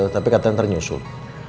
tapi katanya ternyusul